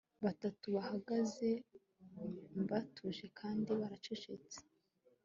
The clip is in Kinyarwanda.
Batatu bahagaze batuje kandi baracecetse